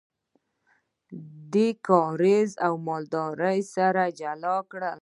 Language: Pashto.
دې کار بزګري او مالداري سره جلا کړل.